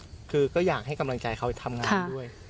คือก็อยากให้กำลังใจเขาทำงานด้วย